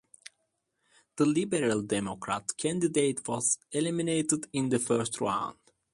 The Liberal Democrat candidate was eliminated in the first round.